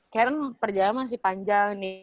karen perjalanan masih panjang nih